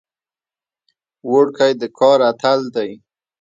هلک د کار اتل دی.